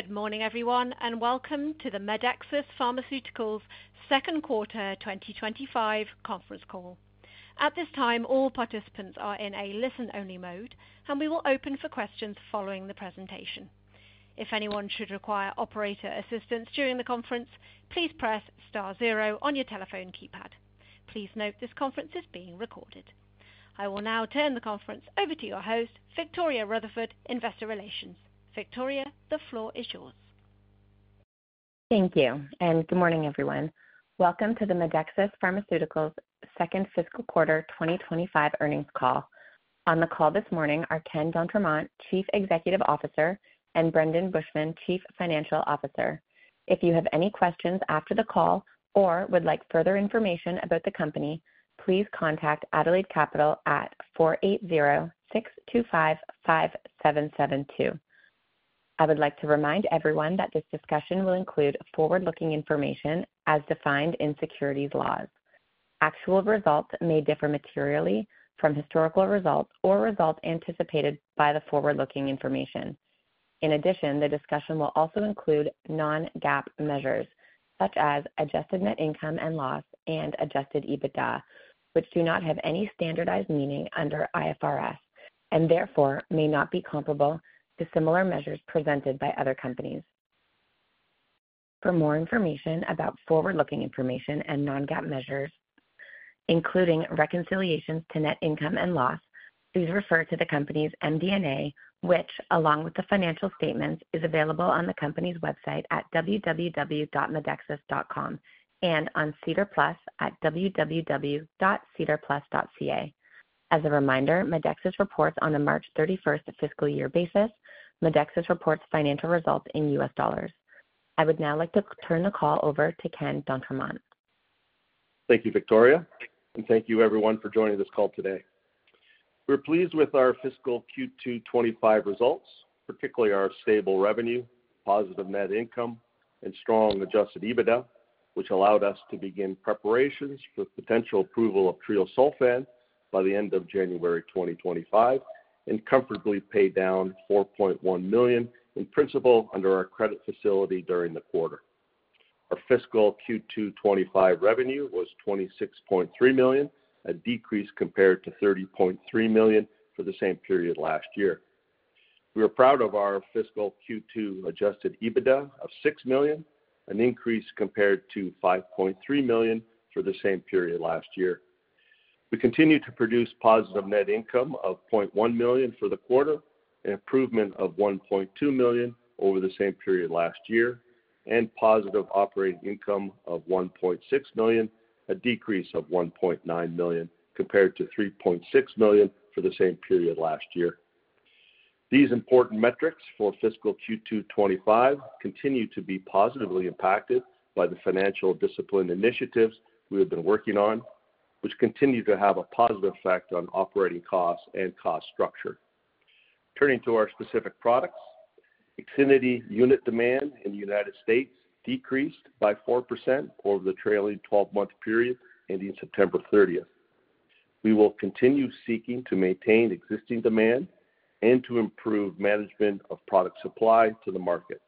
Good morning, everyone, and welcome to the Medexus Pharmaceuticals second quarter 2025 conference call. At this time, all participants are in a listen-only mode, and we will open for questions following the presentation. If anyone should require operator assistance during the conference, please press star zero on your telephone keypad. Please note this conference is being recorded. I will now turn the conference over to your host, Victoria Rutherford, Investor Relations. Victoria, the floor is yours. Thank you, and good morning, everyone. Welcome to the Medexus Pharmaceuticals second fiscal quarter 2025 earnings call. On the call this morning are Ken D'Entremont, Chief Executive Officer, and Brendon Bushman, Chief Financial Officer. If you have any questions after the call or would like further information about the company, please contact Adelaide Capital at 480-625-5772. I would like to remind everyone that this discussion will include forward-looking information as defined in securities laws. Actual results may differ materially from historical results or results anticipated by the forward-looking information. In addition, the discussion will also include non-GAAP measures such as adjusted net income and loss and adjusted EBITDA, which do not have any standardized meaning under IFRS and therefore may not be comparable to similar measures presented by other companies. For more information about forward-looking information and non-GAAP measures, including reconciliations to net income and loss, please refer to the company's MD&A, which, along with the financial statements, is available on the company's website at www.medexus.com and on SEDAR+ at www.sedarplus.ca. As a reminder, Medexus reports on a March 31st fiscal year basis. Medexus reports financial results in U.S. dollars. I would now like to turn the call over to Ken D'Entremont. Thank you, Victoria, and thank you, everyone, for joining this call today. We're pleased with our fiscal Q2 '25 results, particularly our stable revenue, positive net income, and strong Adjusted EBITDA, which allowed us to begin preparations for potential approval of treosulfan by the end of January 2025 and comfortably pay down $4.1 million in principal under our credit facility during the quarter. Our fiscal Q2 '25 revenue was $26.3 million, a decrease compared to $30.3 million for the same period last year. We are proud of our fiscal Q2 Adjusted EBITDA of $6 million, an increase compared to $5.3 million for the same period last year. We continue to produce positive net income of $0.1 million for the quarter, an improvement of $1.2 million over the same period last year, and positive operating income of $1.6 million, a decrease of $1.9 million compared to $3.6 million for the same period last year. These important metrics for fiscal Q2 2025 continue to be positively impacted by the financial discipline initiatives we have been working on, which continue to have a positive effect on operating costs and cost structure. Turning to our specific products, Ixinity unit demand in the United States decreased by 4% over the trailing 12-month period ending September 30th. We will continue seeking to maintain existing demand and to improve management of product supply to the market.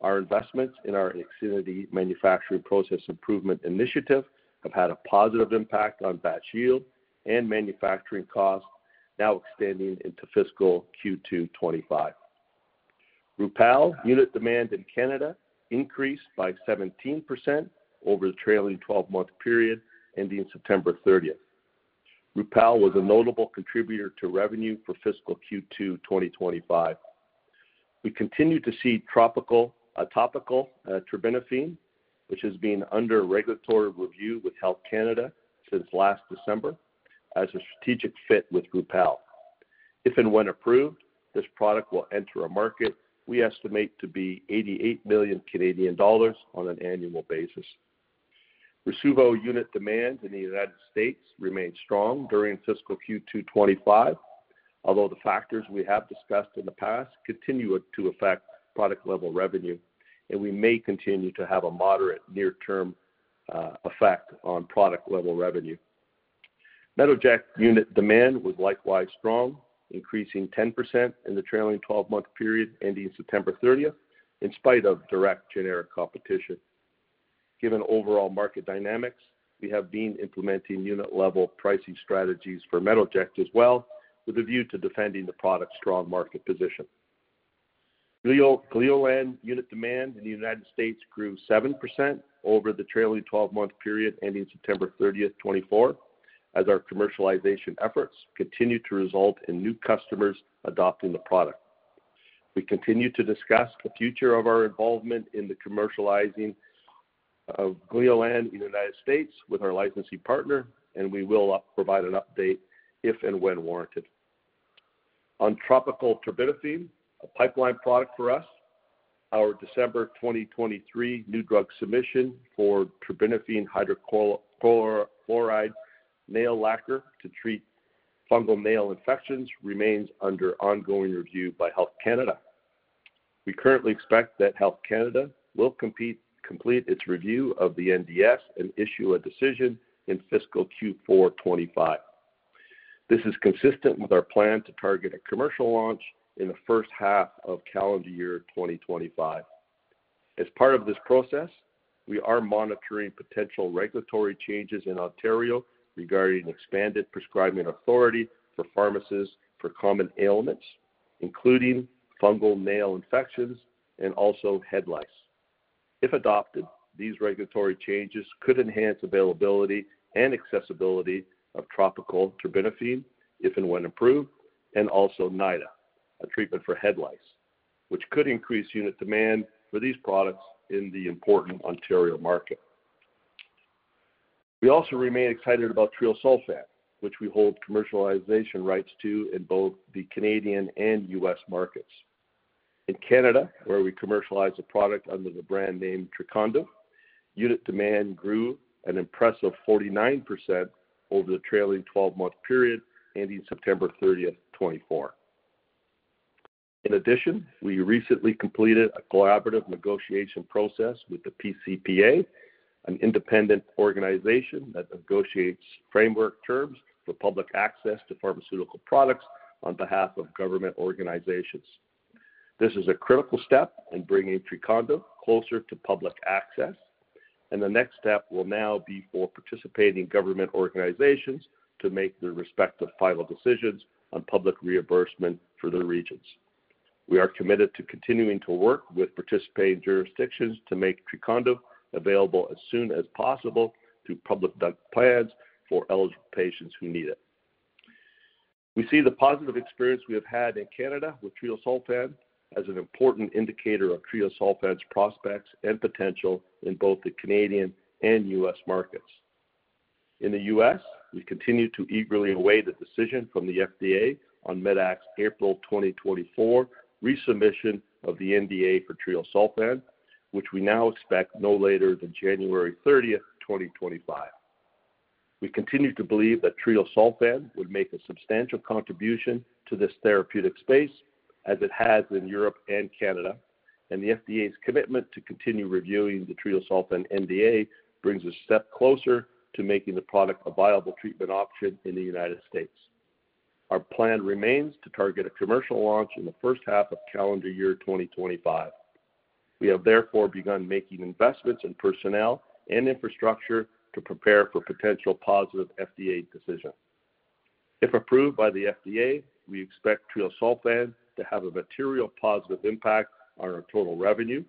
Our investments in our Ixinity manufacturing process improvement initiative have had a positive impact on batch yield and manufacturing costs, now extending into fiscal Q2 2025. Rupall unit demand in Canada increased by 17% over the trailing 12-month period ending September 30th. Rupall was a notable contributor to revenue for fiscal Q2 2025. We continue to see topical terbinafine, which has been under regulatory review with Health Canada since last December, as a strategic fit with Rupall. If and when approved, this product will enter a market we estimate to be 88 million Canadian dollars on an annual basis. Rasuvo unit demand in the United States remained strong during fiscal Q2 2025, although the factors we have discussed in the past continue to affect product-level revenue, and we may continue to have a moderate near-term effect on product-level revenue. Metoject unit demand was likewise strong, increasing 10% in the trailing 12-month period ending September 30th, in spite of direct generic competition. Given overall market dynamics, we have been implementing unit-level pricing strategies for Metoject as well, with a view to defending the product's strong market position. Gleolan unit demand in the United States grew 7% over the trailing 12-month period ending September 30th, 2024, as our commercialization efforts continue to result in new customers adopting the product. We continue to discuss the future of our involvement in the commercializing of Gleolan in the United States with our licensee partner, and we will provide an update if and when warranted. On topical terbinafine, a pipeline product for us, our December 2023 new drug submission for terbinafine hydrochloride nail lacquer to treat fungal nail infections remains under ongoing review by Health Canada. We currently expect that Health Canada will complete its review of the NDS and issue a decision in fiscal Q4 2025. This is consistent with our plan to target a commercial launch in the first half of calendar year 2025. As part of this process, we are monitoring potential regulatory changes in Ontario regarding expanded prescribing authority for pharmacists for common ailments, including fungal nail infections and also head lice. If adopted, these regulatory changes could enhance availability and accessibility of topical terbinafine, if and when approved, and also NYDA, a treatment for head lice, which could increase unit demand for these products in the important Ontario market. We also remain excited about treosulfan, which we hold commercialization rights to in both the Canadian and U.S. markets. In Canada, where we commercialize the product under the brand name Trecondyv, unit demand grew an impressive 49% over the trailing 12-month period ending September 30th, 2024. In addition, we recently completed a collaborative negotiation process with the pCPA, an independent organization that negotiates framework terms for public access to pharmaceutical products on behalf of government organizations. This is a critical step in bringing Trecondyv closer to public access, and the next step will now be for participating government organizations to make their respective final decisions on public reimbursement for their regions. We are committed to continuing to work with participating jurisdictions to make Trecondyv available as soon as possible through public plans for eligible patients who need it. We see the positive experience we have had in Canada with treosulfan as an important indicator of treosulfan's prospects and potential in both the Canadian and U.S. markets. In the U.S., we continue to eagerly await a decision from the FDA on Medexus' April 2024 resubmission of the NDA for treosulfan, which we now expect no later than January 30th, 2025. We continue to believe that treosulfan would make a substantial contribution to this therapeutic space, as it has in Europe and Canada, and the FDA's commitment to continue reviewing the treosulfan NDA brings us a step closer to making the product a viable treatment option in the United States. Our plan remains to target a commercial launch in the first half of calendar year 2025. We have therefore begun making investments in personnel and infrastructure to prepare for potential positive FDA decision. If approved by the FDA, we expect treosulfan to have a material positive impact on our total revenue,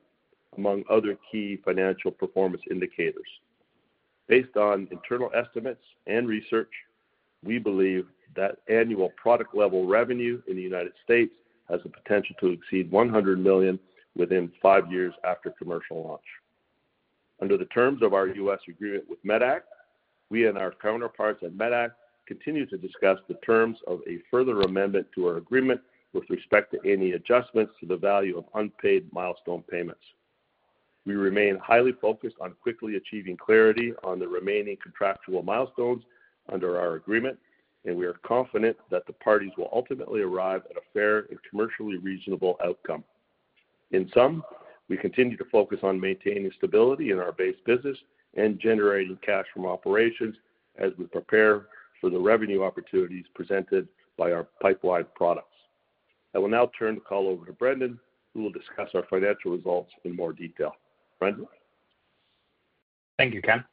among other key financial performance indicators. Based on internal estimates and research, we believe that annual product-level revenue in the United States has the potential to exceed $100 million within five years after commercial launch. Under the terms of our U.S. agreement with Medac, we and our counterparts at Medac continue to discuss the terms of a further amendment to our agreement with respect to any adjustments to the value of unpaid milestone payments. We remain highly focused on quickly achieving clarity on the remaining contractual milestones under our agreement, and we are confident that the parties will ultimately arrive at a fair and commercially reasonable outcome. In sum, we continue to focus on maintaining stability in our base business and generating cash from operations as we prepare for the revenue opportunities presented by our pipeline products. I will now turn the call over to Brendon, who will discuss our financial results in more detail. Brendon. Thank you, Ken.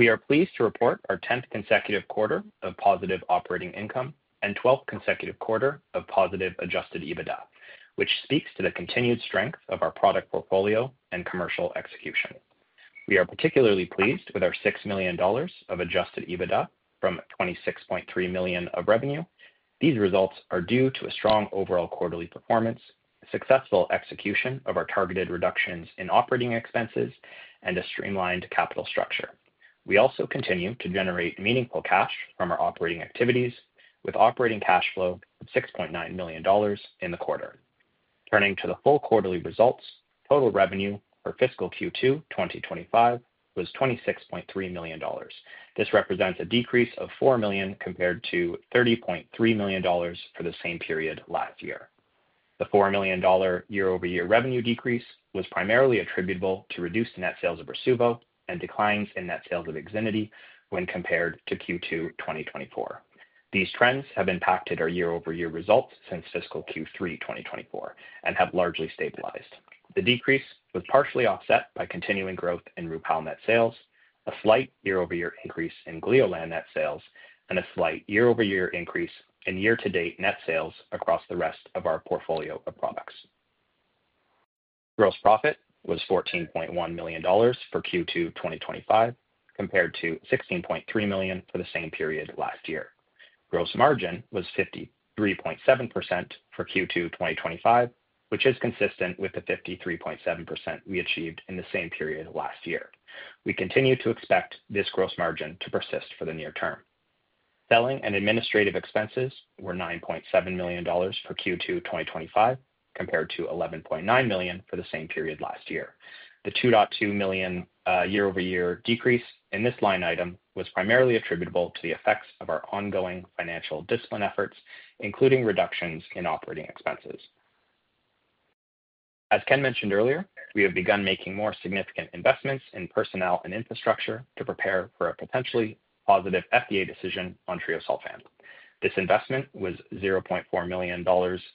We are pleased to report our 10th consecutive quarter of positive operating income and 12th consecutive quarter of positive adjusted EBITDA, which speaks to the continued strength of our product portfolio and commercial execution. We are particularly pleased with our $6 million of adjusted EBITDA from $26.3 million of revenue. These results are due to a strong overall quarterly performance, successful execution of our targeted reductions in operating expenses, and a streamlined capital structure. We also continue to generate meaningful cash from our operating activities, with operating cash flow of $6.9 million in the quarter. Turning to the full quarterly results, total revenue for fiscal Q2 2025 was $26.3 million. This represents a decrease of $4 million compared to $30.3 million for the same period last year. The $4 million year-over-year revenue decrease was primarily attributable to reduced net sales of Rasuvo and declines in net sales of Ixinity when compared to Q2 2024. These trends have impacted our year-over-year results since fiscal Q3 2024 and have largely stabilized. The decrease was partially offset by continuing growth in Rupall net sales, a slight year-over-year increase in Gleolan net sales, and a slight year-over-year increase in year-to-date net sales across the rest of our portfolio of products. Gross profit was $14.1 million for Q2 2025, compared to $16.3 million for the same period last year. Gross margin was 53.7% for Q2 2025, which is consistent with the 53.7% we achieved in the same period last year. We continue to expect this gross margin to persist for the near term. Selling and administrative expenses were $9.7 million for Q2 2025, compared to $11.9 million for the same period last year. The $2.2 million year-over-year decrease in this line item was primarily attributable to the effects of our ongoing financial discipline efforts, including reductions in operating expenses. As Ken mentioned earlier, we have begun making more significant investments in personnel and infrastructure to prepare for a potentially positive FDA decision on treosulfan. This investment was $0.4 million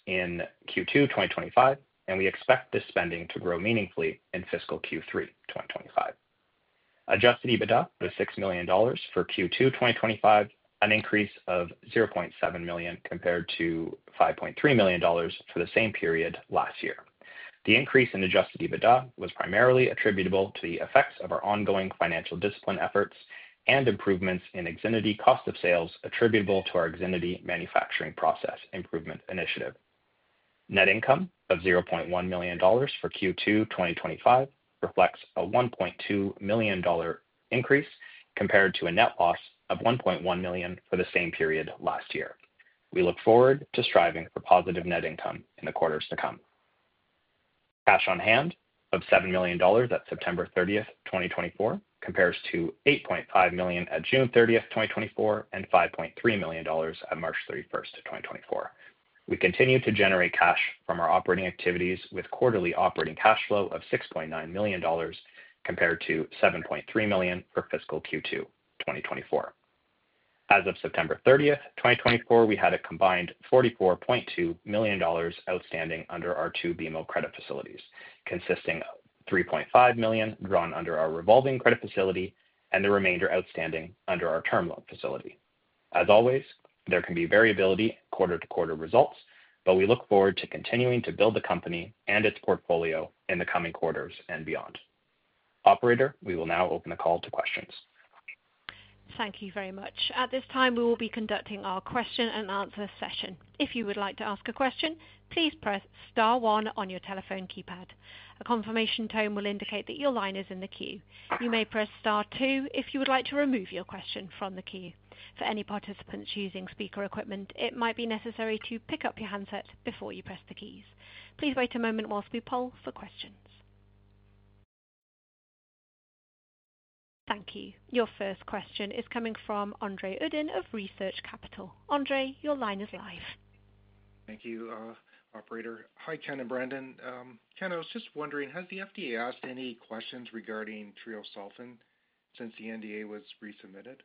in Q2 2025, and we expect this spending to grow meaningfully in fiscal Q3 2025. Adjusted EBITDA was $6 million for Q2 2025, an increase of $0.7 million compared to $5.3 million for the same period last year. The increase in adjusted EBITDA was primarily attributable to the effects of our ongoing financial discipline efforts and improvements in Ixinity cost of sales attributable to our Ixinity manufacturing process improvement initiative. Net income of $0.1 million for Q2 2025 reflects a $1.2 million increase compared to a net loss of $1.1 million for the same period last year. We look forward to striving for positive net income in the quarters to come. Cash on hand of $7 million at September 30th, 2024, compares to $8.5 million at June 30th, 2024, and $5.3 million at March 31st, 2024. We continue to generate cash from our operating activities with quarterly operating cash flow of $6.9 million compared to $7.3 million for fiscal Q2 2024. As of September 30th, 2024, we had a combined $44.2 million outstanding under our two BMO credit facilities, consisting of $3.5 million drawn under our revolving credit facility and the remainder outstanding under our term loan facility. As always, there can be variability in quarter-to-quarter results, but we look forward to continuing to build the company and its portfolio in the coming quarters and beyond. Operator, we will now open the call to questions. Thank you very much. At this time, we will be conducting our question-and-answer session. If you would like to ask a question, please press Star 1 on your telephone keypad. A confirmation tone will indicate that your line is in the queue. You may press Star 2 if you would like to remove your question from the queue. For any participants using speaker equipment, it might be necessary to pick up your handset before you press the keys. Please wait a moment whilst we poll for questions. Thank you. Your first question is coming from André Uddin of Research Capital. André, your line is live. Thank you, Operator. Hi, Ken and Brendon. Ken, I was just wondering, has the FDA asked any questions regarding treosulfan since the NDA was resubmitted?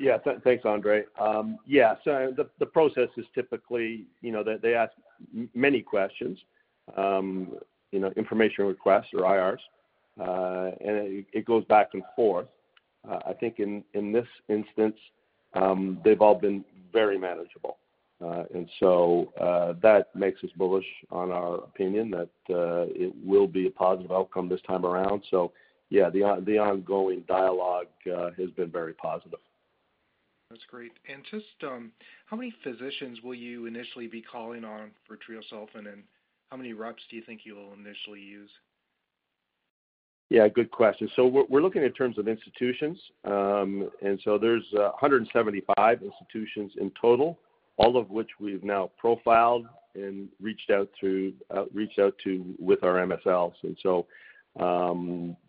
Yeah, thanks, André. Yeah, so the process is typically, you know, they ask many questions, information requests or IRs, and it goes back and forth. I think in this instance, they've all been very manageable, and so that makes us bullish on our opinion that it will be a positive outcome this time around, so yeah, the ongoing dialogue has been very positive. That's great. Just how many physicians will you initially be calling on for treosulfan, and how many reps do you think you will initially use? Yeah, good question. So we're looking at terms of institutions, and so there's 175 institutions in total, all of which we've now profiled and reached out to with our MSLs. And so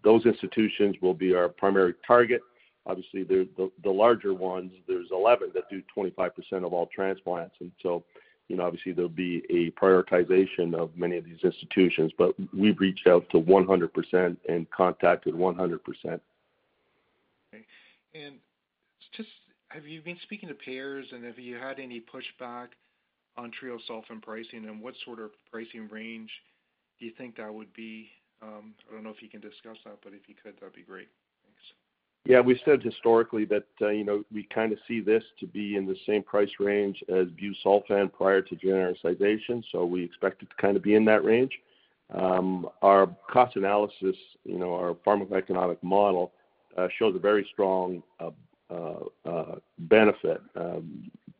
those institutions will be our primary target. Obviously, the larger ones, there's 11 that do 25% of all transplants. And so, you know, obviously, there'll be a prioritization of many of these institutions, but we've reached out to 100% and contacted 100%. Okay. And just have you been speaking to payers, and have you had any pushback on treosulfan pricing, and what sort of pricing range do you think that would be? I don't know if you can discuss that, but if you could, that'd be great. Thanks. Yeah, we said historically that, you know, we kind of see this to be in the same price range as busulfan prior to genericization, so we expect it to kind of be in that range. Our cost analysis, you know, our pharmaco-economic model shows a very strong benefit,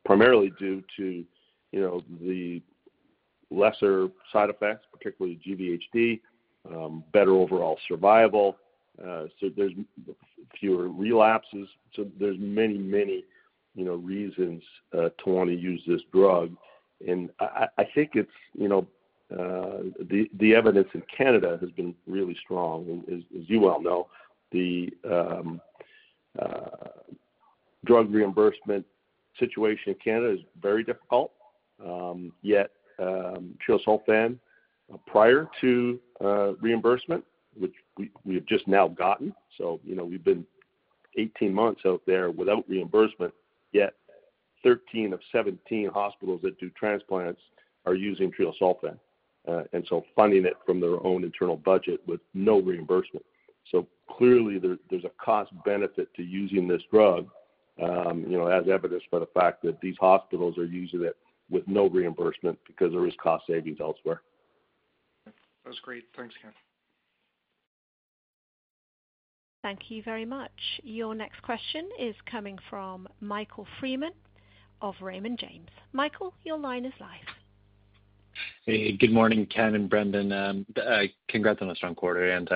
primarily due to, you know, the lesser side effects, particularly GVHD, better overall survival. So there's fewer relapses. So there's many, many, you know, reasons to want to use this drug. And I think it's, you know, the evidence in Canada has been really strong. As you well know, the drug reimbursement situation in Canada is very difficult. Yet treosulfan, prior to reimbursement, which we have just now gotten, so, you know, we've been 18 months out there without reimbursement, yet 13 of 17 hospitals that do transplants are using treosulfan. Funding it from their own internal budget with no reimbursement. Clearly, there's a cost-benefit to using this drug, you know, as evidenced by the fact that these hospitals are using it with no reimbursement because there is cost savings elsewhere. That's great. Thanks, Ken. Thank you very much. Your next question is coming from Michael Freeman of Raymond James. Michael, your line is live. Hey, good morning, Ken and Brendon. Congrats on a strong quarter, and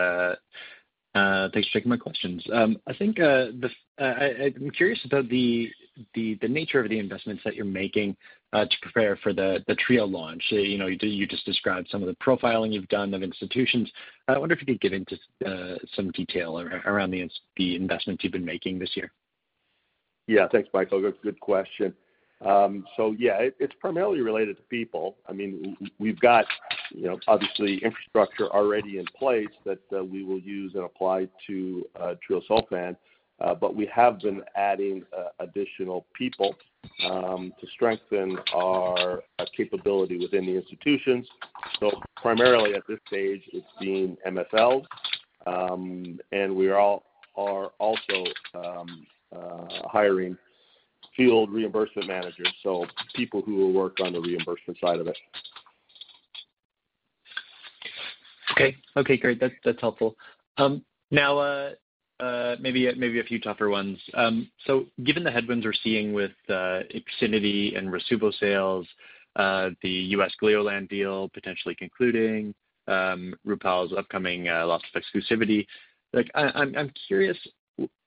thanks for taking my questions. I think I'm curious about the nature of the investments that you're making to prepare for the treosulfan launch. You know, you just described some of the profiling you've done of institutions. I wonder if you could dive into some detail around the investments you've been making this year. Yeah, thanks, Michael. Good question. So yeah, it's primarily related to people. I mean, we've got, you know, obviously infrastructure already in place that we will use and apply to treosulfan, but we have been adding additional people to strengthen our capability within the institutions. So primarily at this stage, it's being MSLs, and we are also hiring field reimbursement managers, so people who will work on the reimbursement side of it. Okay. Okay, great. That's helpful. Now, maybe a few tougher ones. So given the headwinds we're seeing with Ixinity and Rasuvo sales, the U.S. Gleolan deal potentially concluding, Rupall's upcoming loss of exclusivity, I'm curious,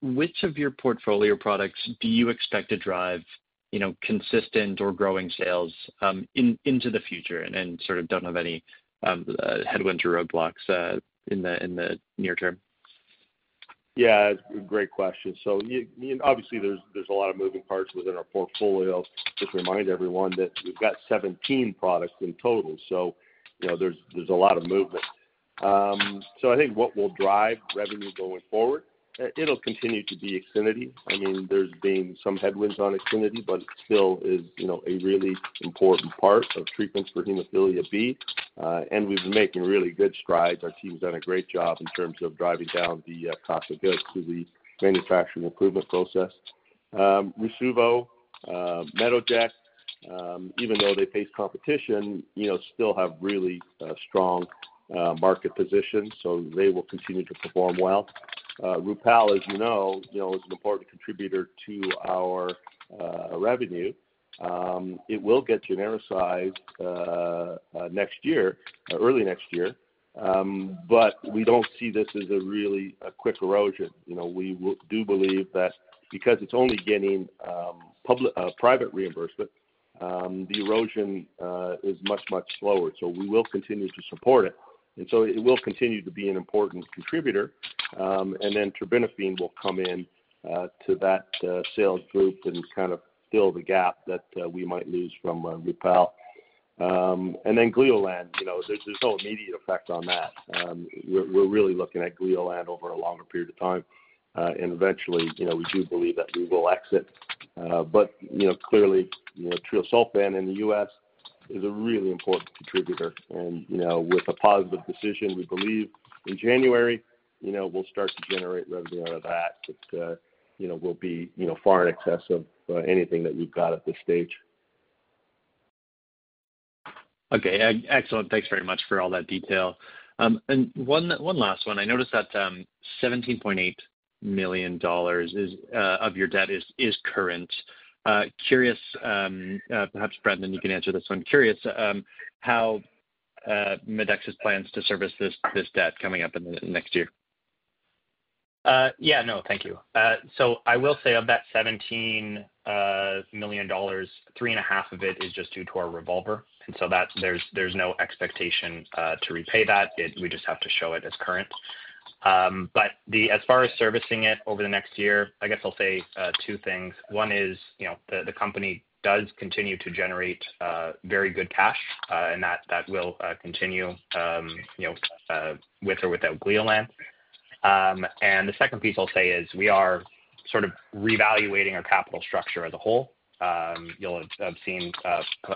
which of your portfolio products do you expect to drive, you know, consistent or growing sales into the future and sort of don't have any headwinds or roadblocks in the near term? Yeah, great question. So obviously, there's a lot of moving parts within our portfolio. Just remind everyone that we've got 17 products in total. So, you know, there's a lot of movement. So I think what will drive revenue going forward, it'll continue to be Ixinity. I mean, there's been some headwinds on Ixinity, but it still is, you know, a really important part of treatments for hemophilia B. And we've been making really good strides. Our team's done a great job in terms of driving down the cost of goods through the manufacturing improvement process. Rasuvo, Metoject, even though they face competition, you know, still have really strong market positions, so they will continue to perform well. Rupall, as you know, you know, is an important contributor to our revenue. It will get genericized next year, early next year, but we don't see this as a really quick erosion. You know, we do believe that because it's only getting private reimbursement, the erosion is much, much slower. So we will continue to support it. And so it will continue to be an important contributor. And then terbinafine will come in to that sales group and kind of fill the gap that we might lose from Rupall. And then Gleolan, you know, there's no immediate effect on that. We're really looking at Gleolan over a longer period of time. And eventually, you know, we do believe that we will exit. But, you know, clearly, you know, Treosulfan in the U.S. is a really important contributor. And, you know, with a positive decision, we believe in January, you know, we'll start to generate revenue out of that. But, you know, we'll be, you know, far in excess of anything that we've got at this stage. Okay. Excellent. Thanks very much for all that detail, and one last one. I noticed that $17.8 million of your debt is current. Curious, perhaps Brendon, you can answer this one. Curious how Medexus plans to service this debt coming up in the next year. Yeah, no, thank you. So I will say of that $17 million, $3.5 million of it is just due to our revolver. And so there's no expectation to repay that. We just have to show it as current. But as far as servicing it over the next year, I guess I'll say two things. One is, you know, the company does continue to generate very good cash, and that will continue, you know, with or without Gleolan. And the second piece I'll say is we are sort of reevaluating our capital structure as a whole. You'll have seen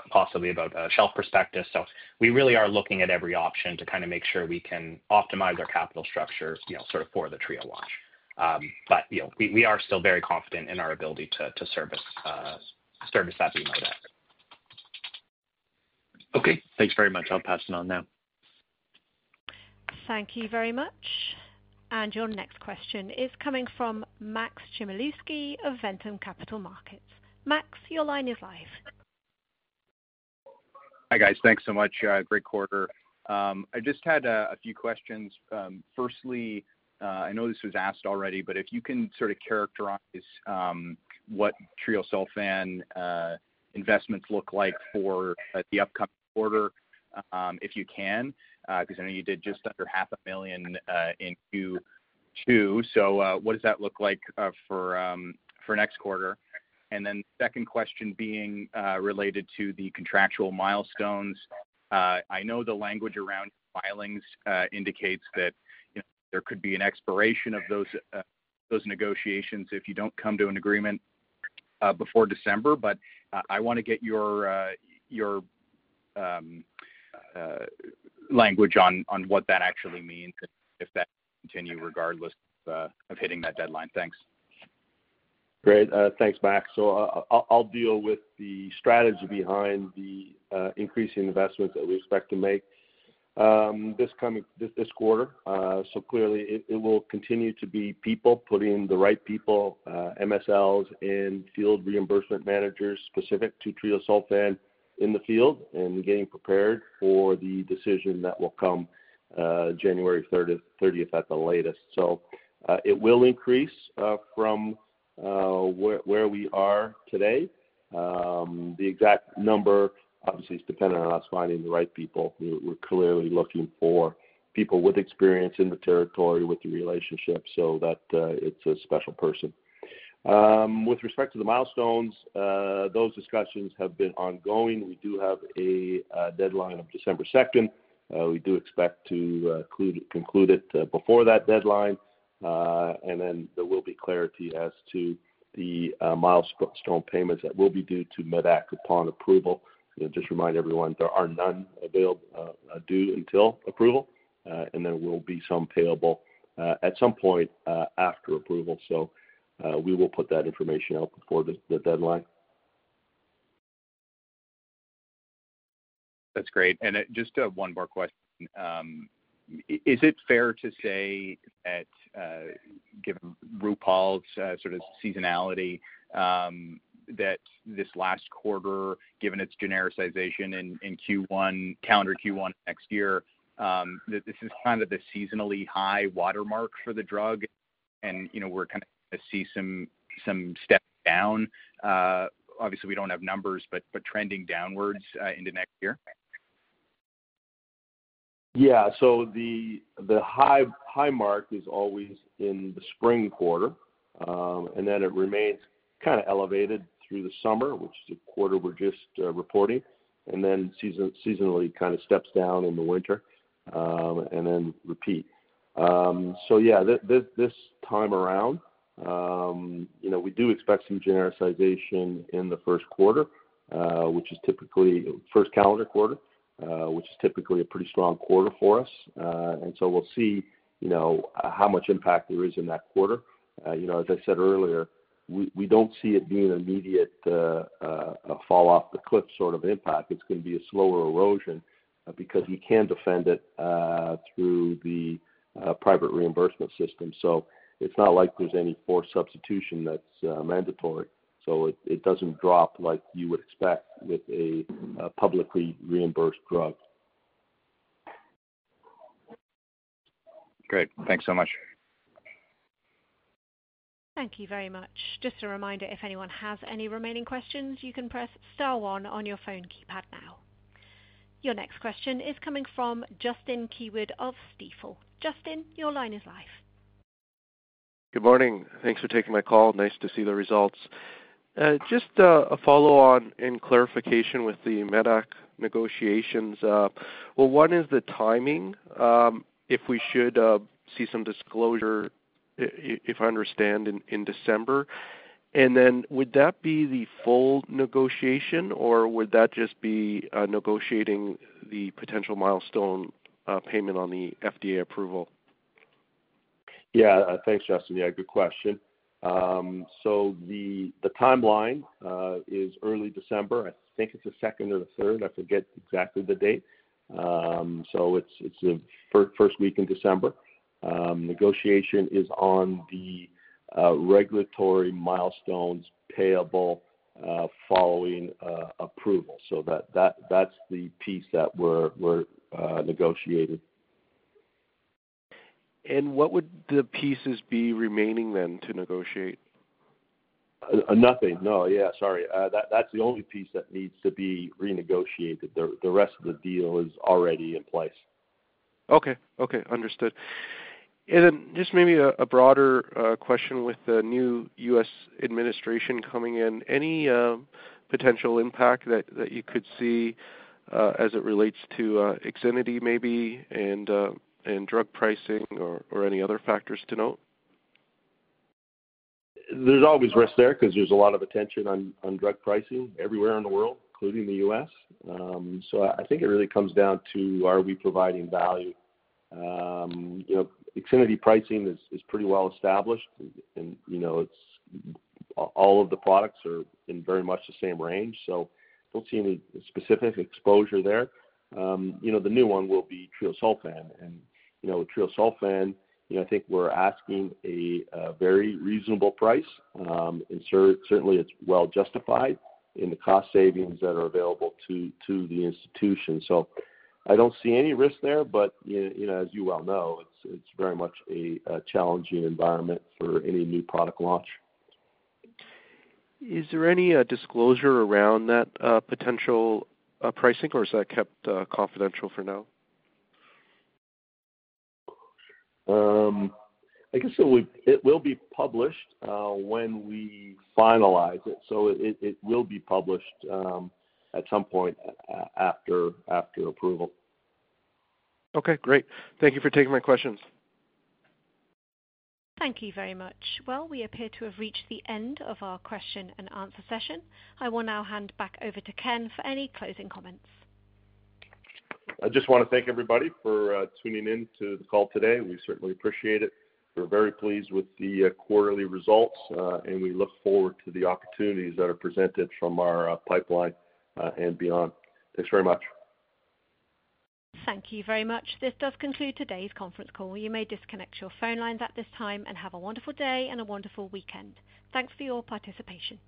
possibly about shelf prospectus. So we really are looking at every option to kind of make sure we can optimize our capital structure, you know, sort of for the treosulfan launch. But, you know, we are still very confident in our ability to service that BMO debt. Okay. Thanks very much. I'll pass it on now. Thank you very much. And your next question is coming from Max Chmielewski of Ventum Capital Markets. Max, your line is live. Hi guys. Thanks so much. Great quarter. I just had a few questions. Firstly, I know this was asked already, but if you can sort of characterize what treosulfan investments look like for the upcoming quarter, if you can, because I know you did just under $500,000 in Q2. So what does that look like for next quarter? And then second question being related to the contractual milestones. I know the language around filings indicates that there could be an expiration of those negotiations if you don't come to an agreement before December, but I want to get your language on what that actually means and if that will continue regardless of hitting that deadline. Thanks. Great. Thanks, Max. So I'll deal with the strategy behind the increasing investments that we expect to make this quarter. So clearly, it will continue to be people, putting in the right people, MSLs and field reimbursement managers specific to treosulfan in the field and getting prepared for the decision that will come January 30th at the latest. So it will increase from where we are today. The exact number, obviously, is dependent on us finding the right people. We're clearly looking for people with experience in the territory with the relationship so that it's a special person. With respect to the milestones, those discussions have been ongoing. We do have a deadline of December 2nd. We do expect to conclude it before that deadline. And then there will be clarity as to the milestone payments that will be due to Medac upon approval. Just remind everyone there are none due until approval, and there will be some payable at some point after approval. We will put that information out before the deadline. That's great. And just one more question. Is it fair to say that given Rupall's sort of seasonality, that this last quarter, given its genericization in Q1, calendar Q1 next year, this is kind of the seasonally high watermark for the drug? And, you know, we're kind of seeing some step down. Obviously, we don't have numbers, but trending downwards into next year? Yeah. So the high mark is always in the spring quarter, and then it remains kind of elevated through the summer, which is the quarter we're just reporting, and then seasonally kind of steps down in the winter and then repeat. So yeah, this time around, you know, we do expect some genericization in the first quarter, which is typically first calendar quarter, which is typically a pretty strong quarter for us. And so we'll see, you know, how much impact there is in that quarter. You know, as I said earlier, we don't see it being an immediate fall off the cliff sort of impact. It's going to be a slower erosion because we can defend it through the private reimbursement system. So it's not like there's any forced substitution that's mandatory. So it doesn't drop like you would expect with a publicly reimbursed drug. Great. Thanks so much. Thank you very much. Just a reminder, if anyone has any remaining questions, you can press star one on your phone keypad now. Your next question is coming from Justin Keywood of Stifel. Justin, your line is live. Good morning. Thanks for taking my call. Nice to see the results. Just a follow-on and clarification with the Medac negotiations. Well, one is the timing, if we should see some disclosure, if I understand, in December, and then would that be the full negotiation, or would that just be negotiating the potential milestone payment on the FDA approval? Yeah. Thanks, Justin. Yeah, good question. So the timeline is early December. I think it's the second or the third. I forget exactly the date. So it's the first week in December. Negotiation is on the regulatory milestones payable following approval. So that's the piece that we're negotiating. What would the pieces be remaining then to negotiate? Nothing. No. Yeah, sorry. That's the only piece that needs to be renegotiated. The rest of the deal is already in place. Okay. Understood. And then just maybe a broader question with the new U.S. administration coming in. Any potential impact that you could see as it relates to Ixinity maybe and drug pricing or any other factors to note? There's always risk there because there's a lot of attention on drug pricing everywhere in the world, including the U.S. So I think it really comes down to are we providing value? You know, Ixinity pricing is pretty well established, and, you know, all of the products are in very much the same range. So I don't see any specific exposure there. You know, the new one will be treosulfan. And, you know, with treosulfan, you know, I think we're asking a very reasonable price. And certainly, it's well justified in the cost savings that are available to the institution. So I don't see any risk there, but, you know, as you well know, it's very much a challenging environment for any new product launch. Is there any disclosure around that potential pricing, or is that kept confidential for now? I guess it will be published when we finalize it. So it will be published at some point after approval. Okay. Great. Thank you for taking my questions. Thank you very much. Well, we appear to have reached the end of our question and answer session. I will now hand back over to Ken for any closing comments. I just want to thank everybody for tuning in to the call today. We certainly appreciate it. We're very pleased with the quarterly results, and we look forward to the opportunities that are presented from our pipeline and beyond. Thanks very much. Thank you very much. This does conclude today's conference call. You may disconnect your phone lines at this time and have a wonderful day and a wonderful weekend. Thanks for your participation.